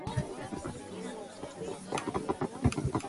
მათ რამდენიმე დემო ჩაწერეს და კომპანიის დირექტორს გაუგზავნეს.